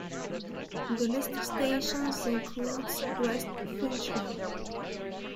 The list of stations includes West Finchley.